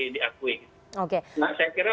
diakui nah saya kira